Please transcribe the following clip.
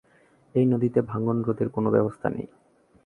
এই নদীতে ভাঙন রোধের কোনো ব্যবস্থা নেই।